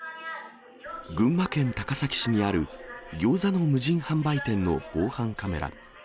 群馬県高崎市にあるギョーザの無人販売店の防犯カメラ。